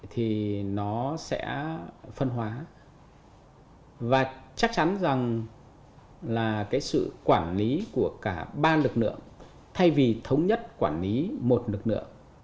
thì nó sẽ phân hóa và chắc chắn rằng là cái sự quản lý của cả ba lực lượng thay vì thống nhất quản lý một lực lượng